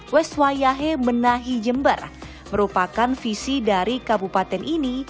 weswayahe menahi jember merupakan visi dari kabupaten ini